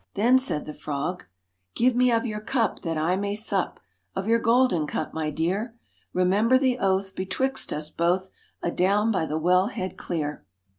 Then said the frog ' Give me of your cup, that I may sup, Of your golden cup, my dear. Remember the oath betwixt us both, Adown by the wellhead clear.'